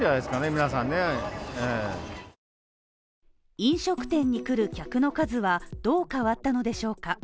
飲食店に来る客の数はどう変わったのでしょうか？